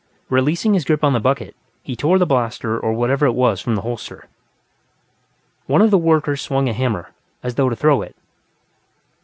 Releasing his grip on the bucket, he tore the blaster or whatever it was from the holster. One of the workers swung a hammer, as though to throw it.